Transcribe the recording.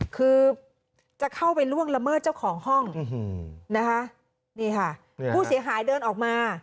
คือจะเข้าไปล่วงละเมิดเจ้าของห้องนะคะนี่ค่ะผู้เสียหายเดินออกมา